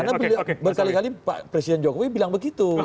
karena berkali kali presiden jokowi bilang begitu